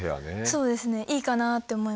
そうですねいいかなって思いました。